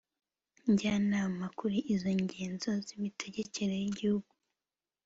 Njyanama kuri izo nzego z imitegekere y Igihugu